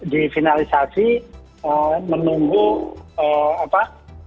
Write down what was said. di finalisasi menunggu apa